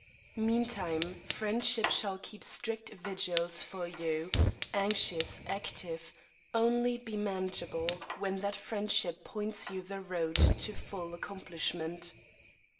Meantime friendship Shall keep strict vigils for you, anxious, active, Only be manageable when that friendship Points you the road to full accomplishment.